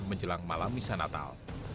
menjelang malam misa natal